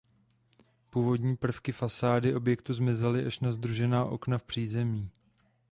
Původní prvky z fasády objektu zmizely až na sdružená okna v přízemí.